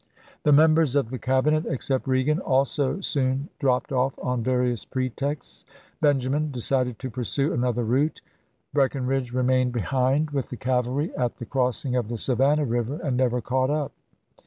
The members of the Cabinet, except Reagan, also soon dropped off on various pretexts. Benjamin decided to pursue another route, Breckinridge remained behind with the cavalry at the crossing of the Savannah Eiver and never caught up.